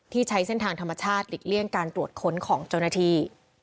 ใช้เส้นทางธรรมชาติหลีกเลี่ยงการตรวจค้นของเจ้าหน้าที่